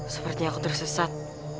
sepertinya aku tersesat